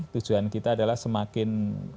tujuan kita adalah semakin